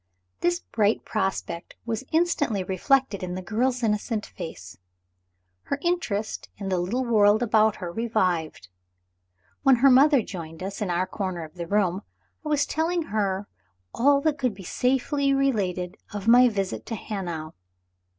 This bright prospect was instantly reflected in the girl's innocent face. Her interest in the little world about her revived. When her mother joined us, in our corner of the room, I was telling her all that could be safely related of my visit to Hanau.